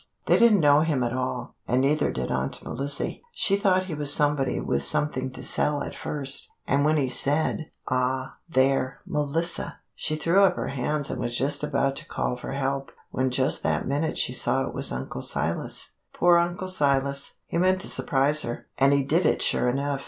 They didn't know him at all, and neither did Aunt Melissy. She thought he was somebody with something to sell at first, and when he said:" "'Aw, there, Melissah!' she threw up her hands and was just about to call for help, when just that minute she saw it was Uncle Silas. "Poor Uncle Silas! He meant to surprise her, and he did it sure enough.